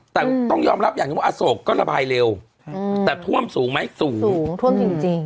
แต่ต้องยอมรับอย่างหนึ่งว่าอโศกก็ระบายเร็วแต่ท่วมสูงไหมสูงสูงท่วมจริง